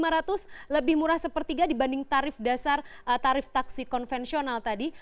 rp lima ratus lebih murah sepertiga dibanding tarif dasar tarif taksi konvensional tadi